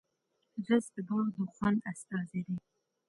رس د باغ د خوند استازی دی